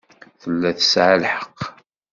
Tella tesɛa lḥeqq.